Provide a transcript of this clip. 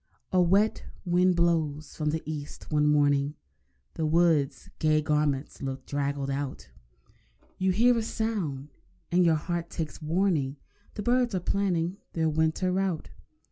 A wet wind blows from the East one morning, The wood's gay garments looked draggled out. You hear a sound, and your heart takes warning— The birds are planning their winter route.